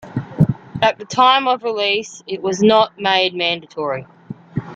At the time of release, it was not made mandatory.